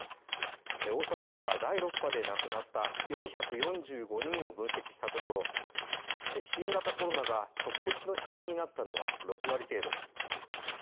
大阪府が第６波で亡くなった４４５人を分析したところ新型コロナが直接の死因になったのは６割程度。